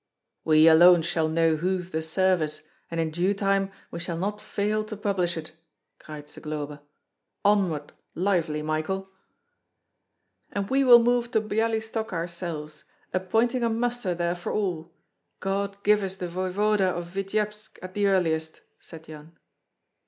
"We alone shall know whose the service, and in due time we shall not fail to publish it!" cried Zagloba, "Onward, lively, Michael!" "And we will move to Byalystok ourselves, appointing a muster there for all. God give us the voevoda of Vityebsk at the earliest," said Yan.